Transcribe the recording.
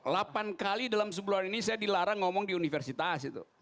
delapan kali dalam sebulan ini saya dilarang ngomong di universitas itu